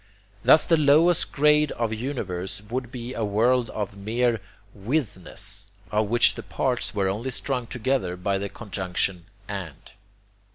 Thus the lowest grade of universe would be a world of mere WITHNESS, of which the parts were only strung together by the conjunction 'and.'